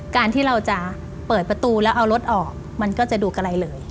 การที่เราจะเปิดประตูแล้วเอารถออกมันก็จะดูไกลเลย